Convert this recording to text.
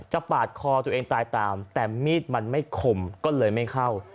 ปาดคอตัวเองตายตามแต่มีดมันไม่คมก็เลยไม่เข้า